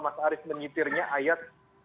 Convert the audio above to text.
mas arief mengitirnya ayat